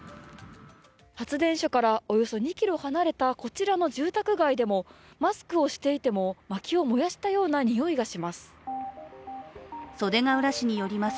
発電所からおよそ２ｋｍ離れたこちらの住宅街でもマスクをしていてもまきを燃やしたような臭いがします。